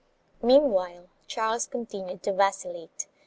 4 Meanwhile Charles continued to vacillate.